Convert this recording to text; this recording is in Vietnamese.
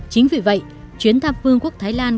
chính vì vậy chuyến thăm vương quốc thái lan